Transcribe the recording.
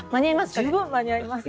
十分間に合います。